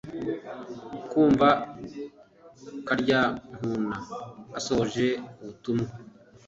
Kavuna Karyankuna asohoje ubutumwa